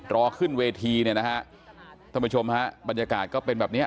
รอขึ้นเวทีเนี่ยนะฮะท่านผู้ชมฮะบรรยากาศก็เป็นแบบเนี้ย